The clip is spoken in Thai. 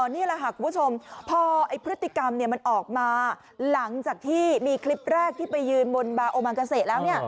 นี่แหละค่ะคุณผู้ชมพอพฤติกรรมมันออกมาหลังจากที่มีคลิปแรกที่ไปยืนบนบาโอมังกาเซแล้ว